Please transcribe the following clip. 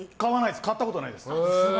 買ったことないです。